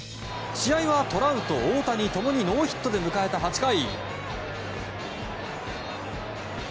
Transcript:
試合はトラウト、大谷共にノーヒットで迎えた８回。